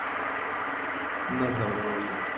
نظم راولئ.